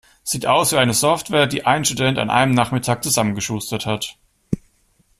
Sieht aus wie eine Software, die ein Student an einem Nachmittag zusammengeschustert hat.